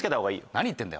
何言ってんだよ！